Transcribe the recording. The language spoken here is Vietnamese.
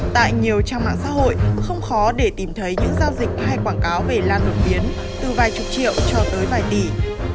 tại nhiều trang mạng xã hội không khó để tìm thấy những giao dịch hay quảng cáo về lan đột biến từ vài chục triệu cho tới vài tỷ